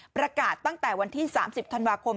ประกาศตั้งแต่วันที่๓๐ธันวาคม